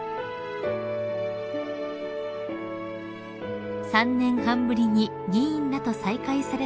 ［３年半ぶりに議員らと再会された佳子さま］